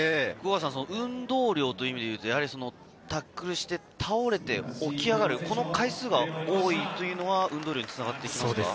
運動量という意味で言うとタックルして倒れて起き上がる、この回数が多いというのは、運動量につながっていくんですか？